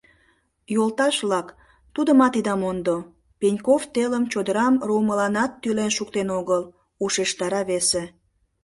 — Йолташ-влак, тудымат ида мондо: Пеньков телым чодырам руымыланат тӱлен шуктен огыл, — ушештара весе.